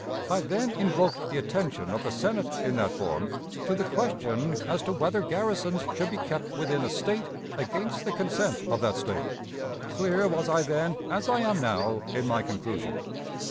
I then invoked the attention of the Senate in that form to the question as to whether garrisons should be kept within a State against the consent of that State. Clear was I then, as I am now, in my conclusion.